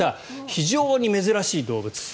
非常に珍しい動物。